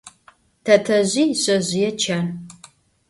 Tetezj yişsezjıê çan.